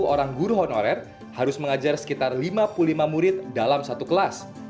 sepuluh orang guru honorer harus mengajar sekitar lima puluh lima murid dalam satu kelas